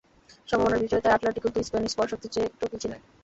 সম্ভাবনার বিচারে তাই অ্যাটলেটিকো দুই স্প্যানিশ পরাশক্তির চেয়ে একটুও পিছিয়ে নয়।